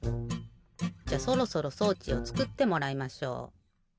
じゃそろそろ装置をつくってもらいましょう。